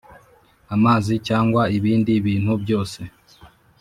amazi cyangwa ibindi bintu byose